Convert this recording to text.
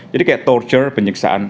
jadi kayak torture penyiksaan